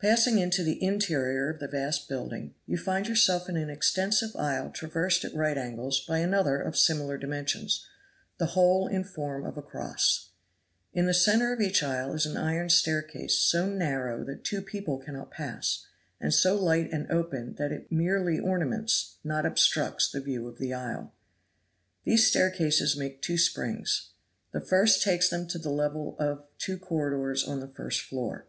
Passing into the interior of the vast building, you find yourself in an extensive aisle traversed at right angles by another of similar dimensions, the whole in form of a cross. In the center of each aisle is an iron staircase, so narrow that two people cannot pass, and so light and open that it merely ornaments, not obstructs, the view of the aisle. These staircases make two springs; the first takes them to the level of two corridors on the first floor.